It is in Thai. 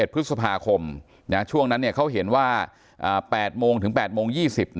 ๑พฤษภาคมช่วงนั้นเขาเห็นว่า๘โมงถึง๘โมง๒๐